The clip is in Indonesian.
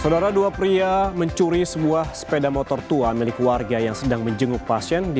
saudara dua pria mencuri sebuah sepeda motor tua milik warga yang sedang menjenguk pasien di